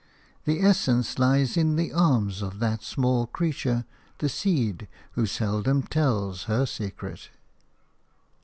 The essence lies in the arms of that small creature, the seed, who seldom tells her secret.